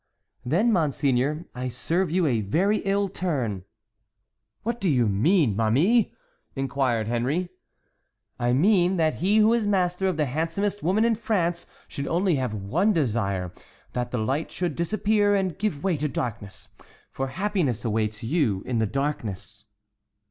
"Then, monseigneur, I serve you a very ill turn." "What do you mean, ma mie?" inquired Henry. "I mean that he who is master of the handsomest woman in France should only have one desire—that the light should disappear and give way to darkness, for happiness awaits you in the darkness."